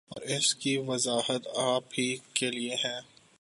اور اس کی وضاحت آپ ہی کیلئے ہیں